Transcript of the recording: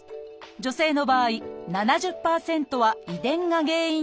女性の場合７０％は遺伝が原因といわれています